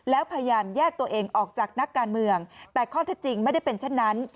แล้วพยายามแยกตัวเองออกจากนักการเมืองแต่ข้อเท็จจริงไม่ได้เป็นเช่นนั้น